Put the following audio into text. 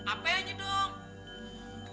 apa aja dong